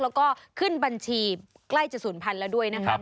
แล้วก็ขึ้นบัญชีใกล้จะศูนย์พันธุ์แล้วด้วยนะครับ